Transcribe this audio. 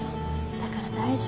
だから大丈夫。